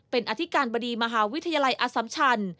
เป็นอธิการบดีมหาวิทยาลัยอสัมชัน